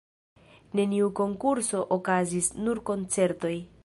Neniu konkurso okazis, nur koncertoj.